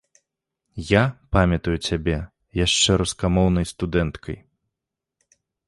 Я памятаю цябе яшчэ рускамоўнай студэнткай.